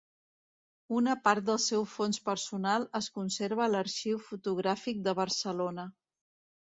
Una part del seu fons personal es conserva a l'Arxiu Fotogràfic de Barcelona.